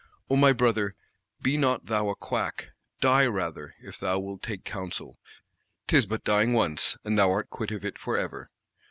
O my Brother, be not thou a Quack! Die rather, if thou wilt take counsel; 'tis but dying once, and thou art quit of it for ever.